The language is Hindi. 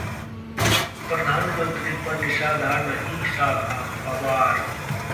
प्रधानमंत्री पर निशाना नहीं साधा: पवार